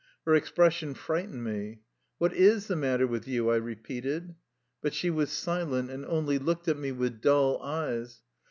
Her expression frightened me. "What is the matter with you?'' I repeated. But she was silent, and only looked at me with dull eyes.